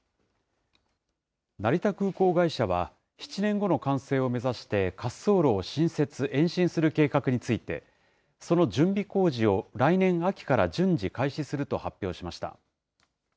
成田空港会社は、７年後の完成を目指して滑走路を新設・延伸する計画について、その準備工事を来年秋から順次、開始すると発表しました。